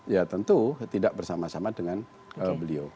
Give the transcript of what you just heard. ya tentu tidak bersama sama dengan beliau